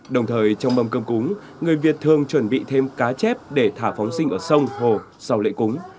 đồng thời trong mâm cơm cúng người việt thường chuẩn bị thêm cá chép để thả phóng sinh ở sông hồ sau lễ cúng